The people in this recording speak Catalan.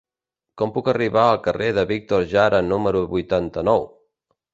Com puc arribar al carrer de Víctor Jara número vuitanta-nou?